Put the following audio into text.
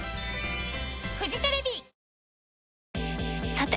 さて！